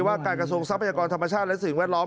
ว่าการกระทรวงทรัพยากรธรรมชาติและสิ่งแวดล้อม